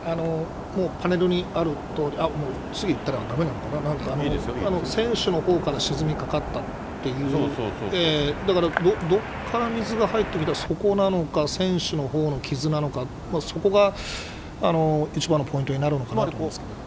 もうパネルにあるとおり、あっ、次いったらだめのかな、船首のほうから沈みかかったっていう、だから、どこから水が入ってきたのか、そこなのか、船首のほうの傷なのか、そこが一番のポイントになるのかなと思うんですけど。